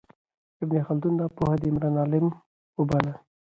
ابن خلدون دا پوهه د عمران علم وباله.